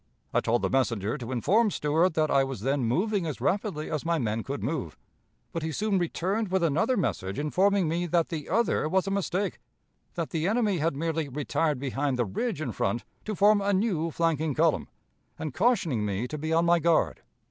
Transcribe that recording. I told the messenger to inform Stuart that I was then moving as rapidly as my men could move; but he soon returned with another message informing me that the other was a mistake, that the enemy had merely retired behind the ridge in front to form a new flanking column, and cautioning me to be on my guard.